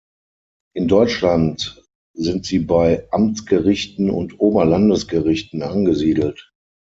In Deutschland sind sie bei Amtsgerichten und Oberlandesgerichten angesiedelt.